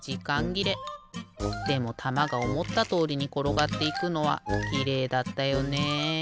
でもたまがおもったとおりにころがっていくのはきれいだったよね。